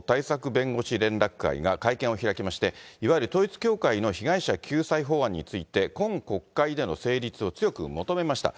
弁護士連絡会が会見を開きまして、いわゆる統一教会の被害者救済法案について、今国会での成立を強く求めました。